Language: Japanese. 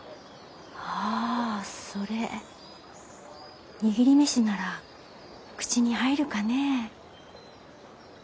ああそれ握り飯なら口に入るかねえ。